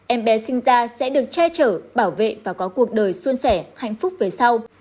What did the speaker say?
em bé sinh ra sẽ được che chở bảo vệ và có cuộc đời xuân sẻ hạnh phúc về sau